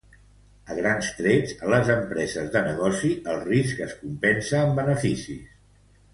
A grans trets, a les empreses de negocis, el risc es compensa amb beneficis.